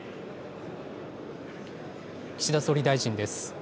岸田総理大臣です。